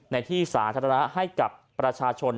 ในที่สาธารณะให้กับประชาชน